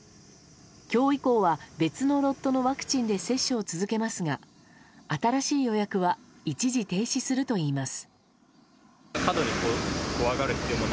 今日以降は別のロットのワクチンで接種を続けますが新しい予約は一時停止するといいます。